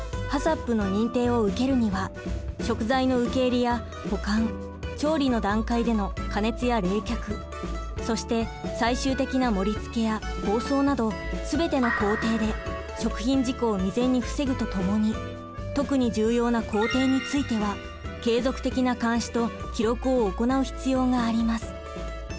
ＨＡＣＣＰの認定を受けるには食材の受け入れや保管調理の段階での加熱や冷却そして最終的な盛りつけや包装などすべての工程で食品事故を未然に防ぐとともに特に重要な工程については継続的な監視と記録を行う必要があります。